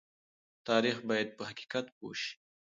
تاریخ باید په حقیقت پوه شي.